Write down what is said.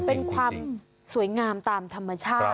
เป็นความสวยงามตามธรรมชาติ